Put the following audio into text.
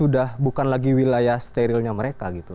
udah bukan lagi wilayah sterilnya mereka gitu